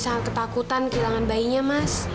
sangat ketakutan kehilangan bayinya mas